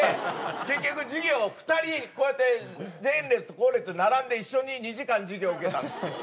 結局授業２人こうやって前列後列に並んで一緒に２時間授業受けたんです。